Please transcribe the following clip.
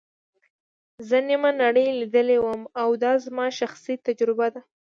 زه نیمه نړۍ لیدلې وم او دا زما شخصي تجربه ده.